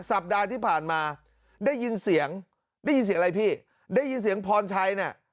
สัปดาห์ที่ผ่านมาได้ยินเสียงได้ยินเสียงอะไรพี่ได้ยินเสียงพรชัยเนี่ย